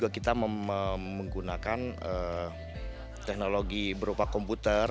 kita menggunakan teknologi berupa komputer